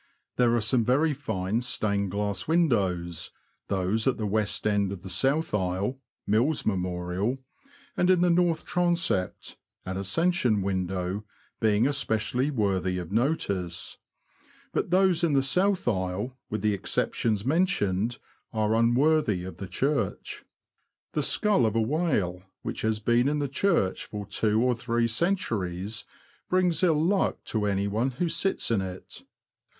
There are some very fine stained glass windows, those at the west end of the south aisle (Mills Memorial) and in the 108 THE LAND OF THE BROADS. north transept (an Ascension window) being especially worthy of notice ; but those in the south aisle, with the exceptions mentioned, are unworthy of the church. The skull of a whale, which has been in the church for two or three centuries, brings ill luck to anyone who sits in it.